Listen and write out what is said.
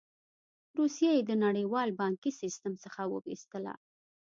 روسیه یې د نړیوال بانکي سیستم څخه وویستله.